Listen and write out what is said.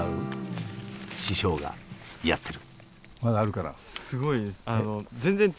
師匠がやってる。